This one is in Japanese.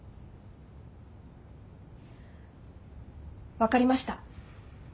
分かりました。